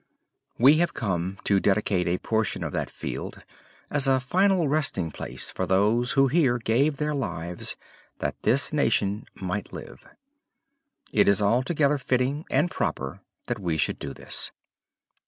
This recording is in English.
We have come to dedicate a portion of that field as a final resting place for those who here gave their lives that this nation might live. It is altogether fitting and proper that we should do this.